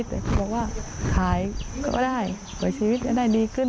แต่เขาบอกว่าขายก็ได้เผื่อชีวิตจะได้ดีขึ้น